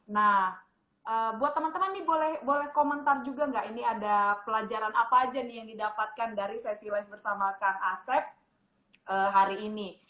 nah buat teman teman nih boleh komentar juga nggak ini ada pelajaran apa aja nih yang didapatkan dari sesi live bersama kang asep hari ini